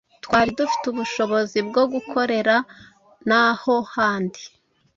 twari dufite ubushobozi bwo gukorera n’aho handi,